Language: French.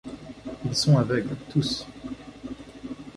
Ils sont aveugles, tous.